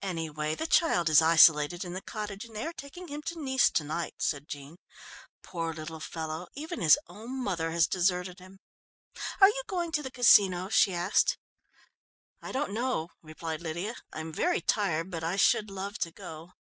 "Anyway, the child is isolated in the cottage and they are taking him to Nice to night," said Jean. "Poor little fellow! Even his own mother has deserted him. Are you going to the Casino?" she asked. "I don't know," replied Lydia. "I'm very tired but I should love to go."